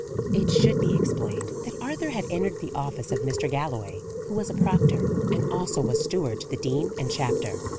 It should be explained that Arthur had entered the office of Mr. Galloway, who was a proctor, and also was steward to the Dean and Chapter.